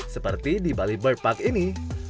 seperti di bali bird park ini